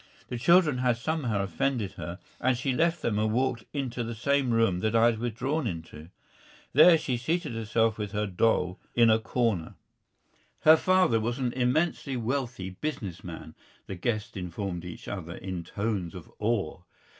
The children had somehow offended her, and she left them and walked into the same room that I had withdrawn into. There she seated herself with her doll in a corner. "Her father is an immensely wealthy business man," the guests informed each other in tones of awe.